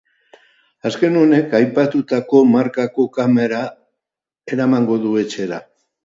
Azken honek, aipatutako markako kamera eramango du etxera.